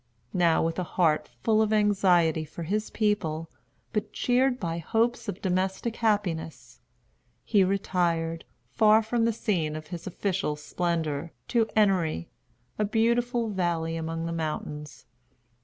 Now, with a heart full of anxiety for his people, but cheered by hopes of domestic happiness, he retired, far from the scene of his official splendor, to Ennery, a beautiful valley among the mountains.